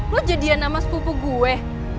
lo jadian nama sepupu gue